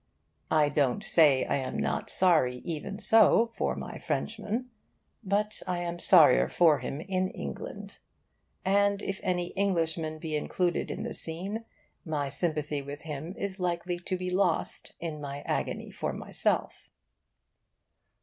I don't say I am not sorry, even so, for my Frenchman. But I am sorrier for him in England. And if any Englishmen be included in the scene my sympathy with him is like to be lost in my agony for myself.